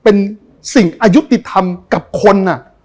เป็นสิ่งอายุติธรรมกับคน